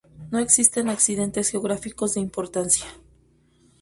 No existen accidentes geográficos de importancia.